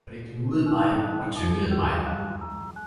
Og det knugede mig og tyngede mig